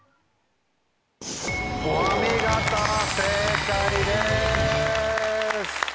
お見事正解です。